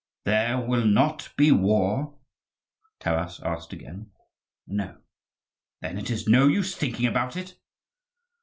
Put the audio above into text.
"There will not be war?" Taras asked again. "No." "Then it is no use thinking about it?"